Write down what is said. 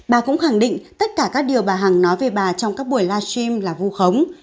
bà cũng khẳng định tất cả các điều bà hằng nói về bà trong các buổi live stream là vu khống